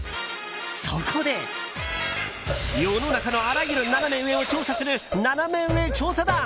そこで、世の中のあらゆるナナメ上を調査するナナメ上調査団。